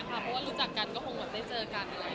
เพราะว่ารู้จักกันก็คงเหมือนได้เจอกัน